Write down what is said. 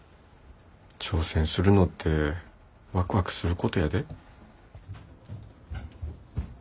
挑戦するのってわくわくすることやで。